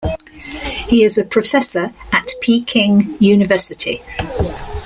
He is a professor at Peking University.